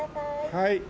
はい。